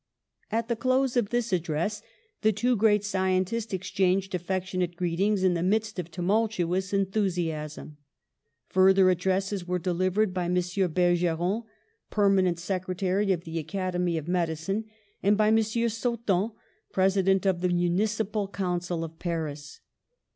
At the close of this address the two great scientists exchanged affectionate greetings in the midst of tumultuous enthusiasm. Further addresses were delivered by M. Bergeron, per manent secretary of the Academy of Medicine, and by M. Sauton, President of the Municipal Council of Paris.